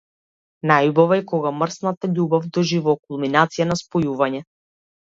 Најубаво е кога мрсната љубов доживува кулминација на спојување.